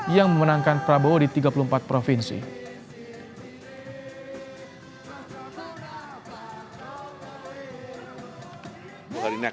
yang memenangkan prabowo di tiga puluh empat provinsi